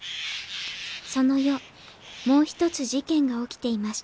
その夜もう一つ事件が起きていました